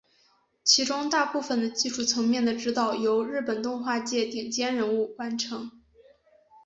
其中大部分的技术层面的指导由日本动画界顶尖人物完成。